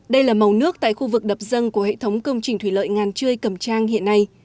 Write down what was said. đây là màu nước tại khu vực đập dân của hệ thống công trình thủy lợi ngàn trươi cầm trang hiện nay